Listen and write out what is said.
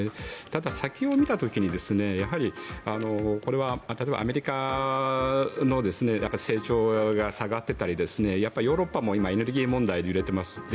ただ、先を見た時にやはりこれはアメリカの成長が下がってたりヨーロッパも今エネルギー問題で揺れています。